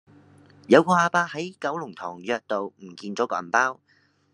有個亞伯喺九龍塘約道唔見左個銀包